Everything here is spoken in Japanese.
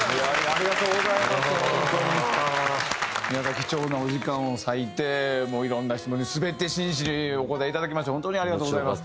貴重なお時間を割いていろんな質問に全て真摯にお答えいただきまして本当にありがとうございます。